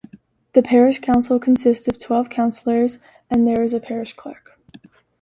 The parish council consists of twelve councillors and there is a parish clerk.